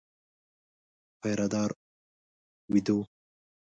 پيره دار وېده و.